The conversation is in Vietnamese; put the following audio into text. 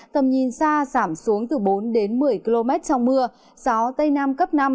tầm nhìn xa giảm xuống từ bốn đến một mươi km trong mưa gió tây nam cấp năm